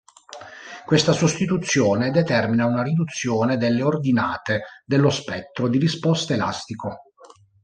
Questa sostituzione determina una riduzione delle ordinate dello spettro di risposta elastico.